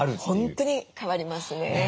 本当に変わりますね。